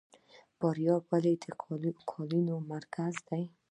فاریاب ولې د قالینو مرکز دی؟